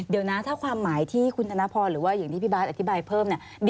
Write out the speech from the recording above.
เดี๋ยวนะถ้าความหมายที่คุณธนพรหรือว่าอย่างที่พี่บาทอธิบายเพิ่มเนี่ย